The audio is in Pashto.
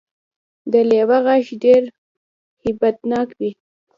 د لیوه غږ ډیر هیبت ناک وي